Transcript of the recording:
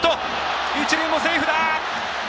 一塁もセーフだ！